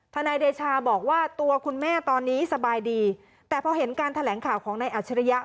นายเดชาบอกว่าตัวคุณแม่ตอนนี้สบายดีแต่พอเห็นการแถลงข่าวของนายอัจฉริยะ